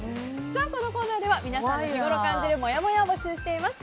このコーナーでは皆さんの日ごろ感じるもやもやを募集しています。